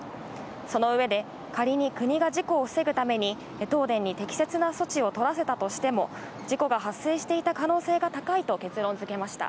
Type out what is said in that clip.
その上で、仮に国が事故を防ぐために、東電に適切な措置を取らせたとしても、事故が発生していた可能性が高いと結論づけました。